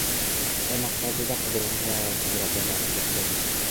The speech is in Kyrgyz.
Аймактарды кыдырганда аял акимдер абдан аз, жокко эсе.